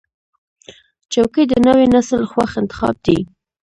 چوکۍ د نوي نسل خوښ انتخاب دی.